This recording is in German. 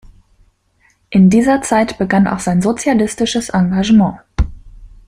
In dieser Zeit begann auch sein sozialistisches Engagement.